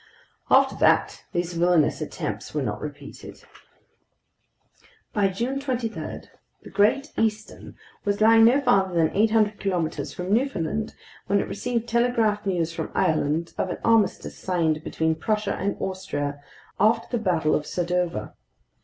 After that, these villainous attempts were not repeated. By July 23 the Great Eastern was lying no farther than 800 kilometers from Newfoundland when it received telegraphed news from Ireland of an armistice signed between Prussia and Austria after the Battle of Sadova.